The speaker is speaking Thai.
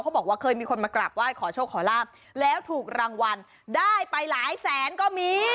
บอกว่าเคยมีคนมากราบไหว้ขอโชคขอลาบแล้วถูกรางวัลได้ไปหลายแสนก็มี